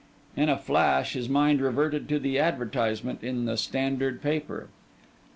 In a flash his mind reverted to the advertisement in the Standard newspaper.